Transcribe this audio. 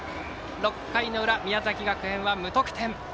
６回の裏、宮崎学園は無得点。